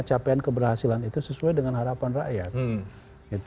capaian keberhasilan itu sesuai dengan harapan rakyat